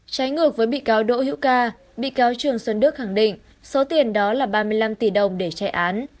trái ngược với bị cáo đỗ hữu ca bị cáo trương xuân đức khẳng định số tiền đó là ba mươi năm tỷ đồng để chạy án